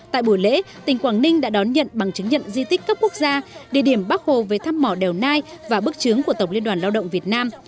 tại buổi lễ tỉnh quảng ninh đã đón nhận bằng chứng nhận di tích cấp quốc gia địa điểm bắc hồ về thăm mỏ đèo nai và bức trướng của tổng liên đoàn lao động việt nam